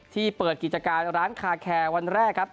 ที่เปิดกิจการร้านคาแคร์วันแรกครับ